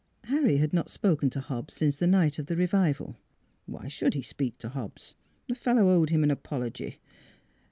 Harry had not spoken to Hobbs since the night of the revival. ... Why should he speak to Hobbs? The fellow owed him an apology.